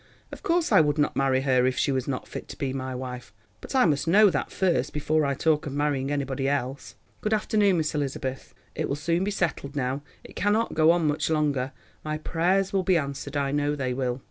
"Of course I would not marry her if she was not fit to be my wife—but I must know that first, before I talk of marrying anybody else. Good afternoon, Miss Elizabeth. It will soon be settled now; it cannot go on much longer now. My prayers will be answered, I know they will."